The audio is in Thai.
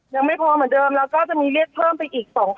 ยังไม่พอเหมือนเดิมแล้วก็จะมีเรียกเพิ่มไปอีก๒๐๐